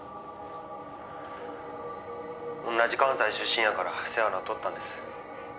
「おんなじ関西出身やから世話になっとんたんです」